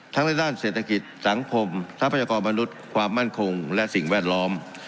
ในด้านเศรษฐกิจสังคมทรัพยากรมนุษย์ความมั่นคงและสิ่งแวดล้อม